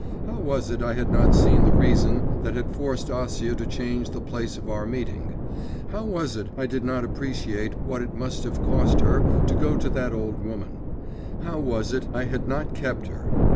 How was it I had not seen the reason that had forced Acia to change the place of our meeting; how was it I did not appreciate what it must have cost her to go to that old woman; how was it I had not kept her?